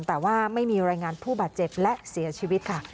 แต่ว่าไม่มีรายงานผู้บาดเจ็บและเสียชีวิตค่ะ